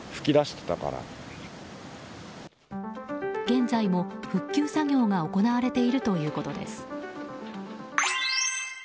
現在も復旧作業が行われているということです。